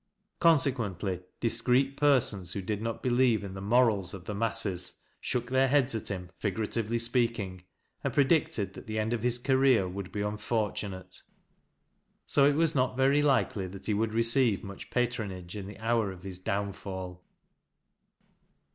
Consequently, dis(jreet persons who did not believe in the morals oi " the masses " shook their heads at him, figuratively speal^ ing, and predicted that the end of his career would \< unfortunate. So it was Kot very likely that he woal.' receive much patronage in the hour of his downfall.